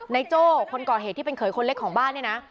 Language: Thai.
โจ้คนก่อเหตุที่เป็นเขยคนเล็กของบ้านเนี่ยนะ